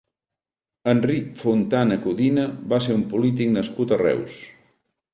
Enric Fontana Codina va ser un polític nascut a Reus.